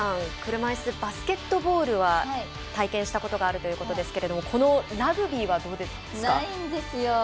車いすバスケットボールは体験したことがあるということですけれどもないんですよ。